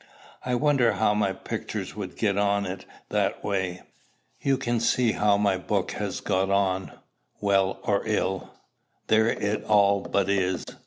"I wonder how my pictures would get on in that way." "You can see how my book has got on. Well or ill, there it all but is.